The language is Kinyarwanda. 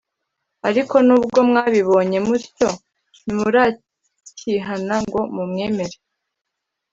ariko nubwo mwabibonye mutyo ntimurakihana ngo mumwemere